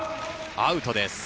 アウトです。